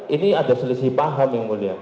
ini ada selisih paham yang mulia